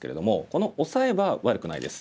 このオサエは悪くないです。